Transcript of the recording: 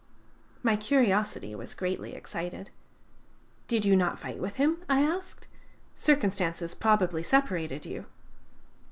My curiosity was greatly excited. "Did you not fight with him?" I asked. "Circumstances probably separated you."